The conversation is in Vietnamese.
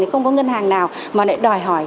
không có ngân hàng nào mà lại đòi hỏi